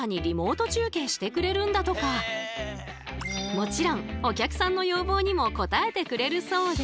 もちろんお客さんの要望にも応えてくれるそうで。